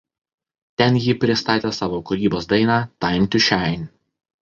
Ten ji pristatė savos kūrybos dainą „Time to Shine“.